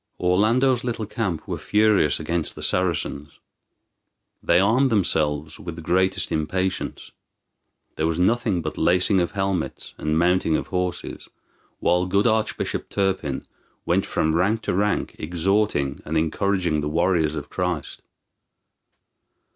Orlando's little camp were furious against the Saracens. They armed themselves with the greatest impatience. There was nothing but lacing of helmets and mounting of horses, while good Archbishop Turpin went from rank to rank exhorting and encouraging the warriors of Christ.